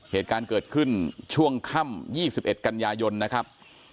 เหตุการณ์เกิดขึ้นช่วงค่ำ๒๑กันยายนนะครับ